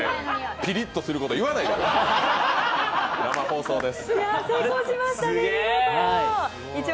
ピリッとすること言わないでください、生放送です。